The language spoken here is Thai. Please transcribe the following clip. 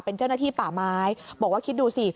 เป็นเจ้าหน้าที่ป่าไม้บอกว่าคิดดูสิ